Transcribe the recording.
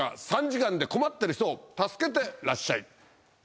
３時間で困ってる人を助けてらっしゃい！